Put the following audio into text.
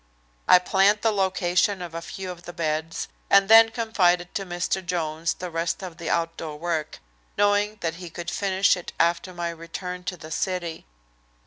I planned the location of a few of the beds, and then confided to Mr. Jones the rest of the outdoor work, knowing that he could finish it after my return to the city.